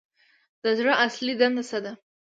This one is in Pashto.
د زړه اصلي دنده څه ده